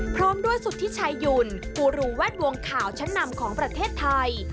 พร้อมด้วยสุธิชายหยุ่นกูรูแวดวงข่าวชั้นนำของประเทศไทย